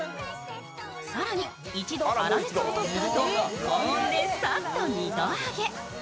更に、一度粗熱をとったあと、高温でサッと二度揚げ。